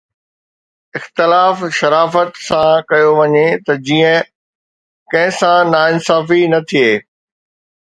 اختلاف شرافت سان ڪيو وڃي ته جيئن ڪنهن سان ناانصافي نه ٿئي.